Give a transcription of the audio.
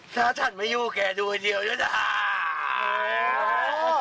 ถ้าท่านไม่อยู่แกดูอย่างเดียวนี่นะฮะ